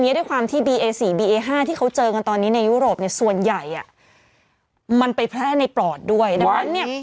นี่นี่นี่นี่นี่นี่นี่นี่นี่นี่นี่นี่นี่